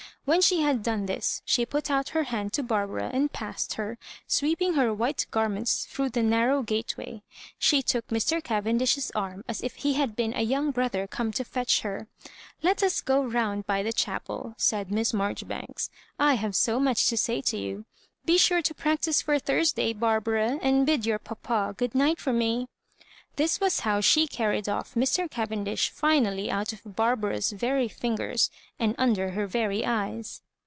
When she had done this, she put out her hand to Barbara, and passed her, sweeping her white garments through the narrow gate vray. She took Mr. Cavendish's arm as if he had been a young brother come to fetch her. "Let ns eo round by the chapel," said Miss Marjori banks, I have so much to say to you. Be sure to nractise for Thursday, Barbara, and bid your nana eood night for me." This was how she Mnied off Mr. Cavendish finally out of Barbara's f^ry fingers, and under her vei7 eyes.